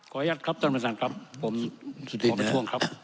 อนุญาตครับท่านประธานครับผมขอประท้วงครับ